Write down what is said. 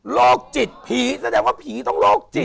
โรคจิตผีแสดงว่าผีต้องโรคจิต